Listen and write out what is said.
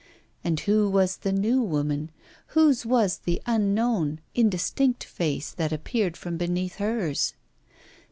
And who was the new woman, whose was the unknown indistinct face that appeared from beneath hers?